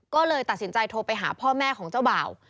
ก็เลยตัดสินใจโทรไปหาพ่อแม่ของเจ้าบ่าว